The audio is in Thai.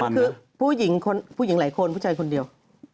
มันคือผู้หญิงหลายคนผู้ชายคนเดียว